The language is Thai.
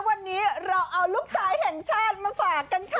วันนี้เราเอาลูกชายแห่งชาติมาฝากกันค่ะ